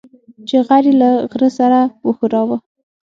چې غر يې له غره سره وښوراوه.